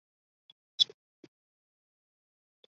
贵船是京都府京都市左京区的地名。